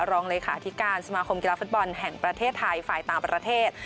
รองเลขาธิการสมาคมกีฬาฟุตบอลแห่งประเทศไทยฝ่ายต่างประเทศ